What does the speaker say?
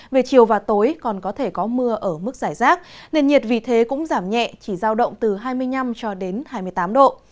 về chiều và tối còn có thể có mưa ở mức giải rác nền nhiệt vì thế cũng giảm nhẹ chỉ giao động từ hai mươi năm cho đến hai mươi tám độ